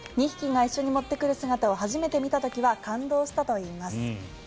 ２匹が一緒に持ってくる姿を初めて見た時は感動したといいます。